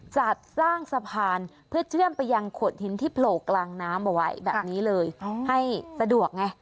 จัดสร้างสะพานเพื่อเชื่อมไปยังขวดหินที่โผล่กลางน้ำเอาไว้แบบนี้เลยให้สะดวกไง